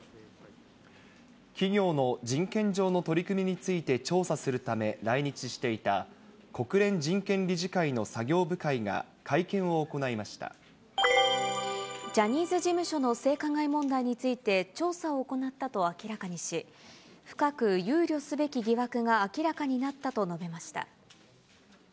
企業の人権上の取り組みについて調査するため来日していた国連人権理事会の作業部会が会見をジャニーズ事務所の性加害問題について、調査を行ったと明らかにし、深く憂慮すべき疑惑が明らかになったと述べました。